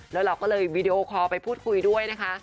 แล้วเราก็เลยวีดีโอคอลไปพูดคุยด้วยนะคะ